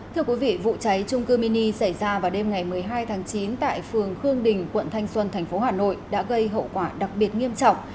thưa quý vị vụ cháy trung cư mini xảy ra vào đêm ngày một mươi hai tháng chín tại phường khương đình quận thanh xuân tp hà nội đã gây hậu quả đặc biệt nghiêm trọng